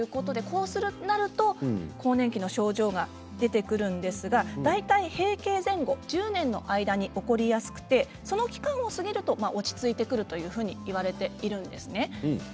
こうなると更年期の症状が出てくるんですが大体閉経前後、１０年の間に起こりやすくその期間を過ぎると落ち着いてくるというふうにいわれているんですね。